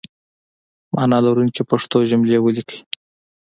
معنی لرونکي پښتو جملې ولیکئ!